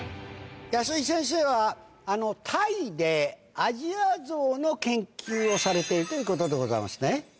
安井先生はタイでアジアゾウの研究をされているということでございますね。